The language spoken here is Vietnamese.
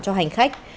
cho hành khách